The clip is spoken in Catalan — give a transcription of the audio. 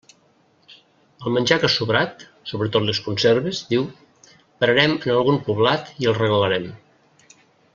El menjar que ha sobrat, sobretot les conserves, diu, pararem en algun poblat i el regalarem.